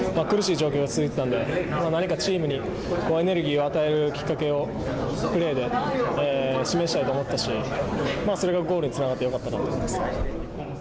苦しい状況が続いていたんで何かチームにエネルギーを与えるきっかけをプレーで示したいと思ったしそれがゴールにつながってよかったと思います。